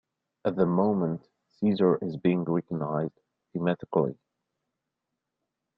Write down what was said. At the moment, caesar is being reorganized thematically.